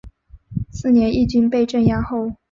次年义军被镇压后。